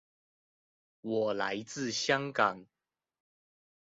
我來自香港